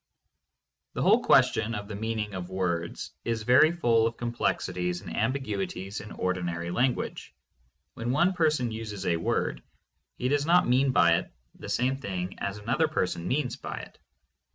The whole question of the meaning of words is very full of complexities and ambiguities in ordinary language. When one person uses a word, he does not mean by it the same thing as another person means by it.